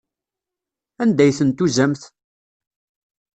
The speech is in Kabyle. Anda ay ten-tuzamt?